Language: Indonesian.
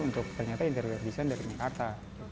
untuk ternyata interior design dari maikarta